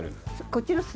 こっちの筋。